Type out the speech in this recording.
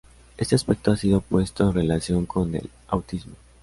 Este aspecto ha sido puesto en relación con el autismo.